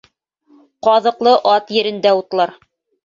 Ҡаҙыҡлы ат ерендә утлар.